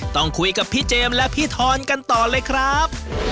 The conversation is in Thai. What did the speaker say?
ต้องคุยกับพี่เจมส์และพี่ทอนกันต่อเลยครับ